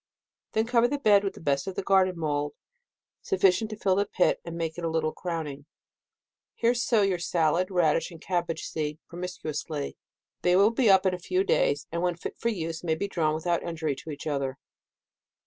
Then cover the bed with the best of garden mould, sufficient to fill the pit, and make it a little crowning. Here sow your sallad, radish, and cabbage seed promiscuously. They will be up in a few days, and when fit for i&kj, may be drawn without injury to each other.